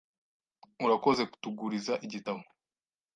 Urakoze kutuguriza igitabo.